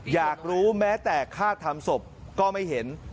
อยากรู้แม้แต่ฆ่าทำศพก็ไม่เห็น